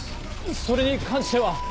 それに関しては。